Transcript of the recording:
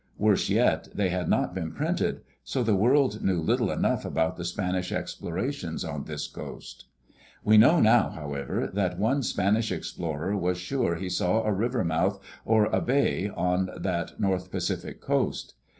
Worse yet, they had not been printed; so the world knew little enough about the Spanish explorations on this coast. We know now, however, that one Spanish explorer was sure he saw a river mouth, or a "bay," on that North Pacific coast.